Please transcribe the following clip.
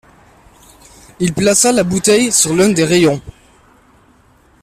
Il plaça la bouteille sur l’un des rayons